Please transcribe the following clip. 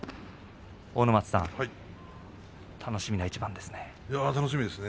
阿武松さん、楽しみな一番ですね。